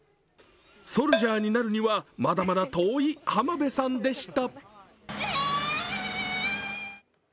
ソルジャーになるには、まだまだ遠い浜辺さんでした。